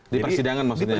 di persidangan maksudnya